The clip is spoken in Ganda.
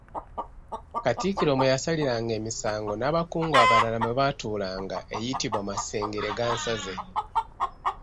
Katikkiro mwe yasaliranga emisango n’abakungu abalala mwe baatuulanga eyitibwa Masengeregansaze.